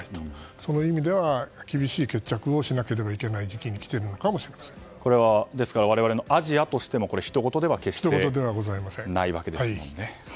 その意味では厳しい決着をしなければいけない時期にこれは我々アジアとしてもひとごとではないわけですね。